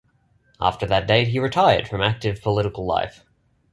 After that date he retired from active political life.